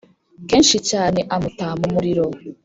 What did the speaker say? Kenshi cyane amuta mu muriro